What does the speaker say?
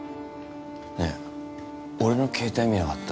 ねえ俺の携帯見なかった？